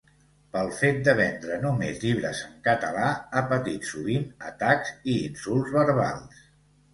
Pel fet de vendre només llibres en català ha patit sovint atacs i insults verbals.